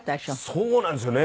そうなんですよね。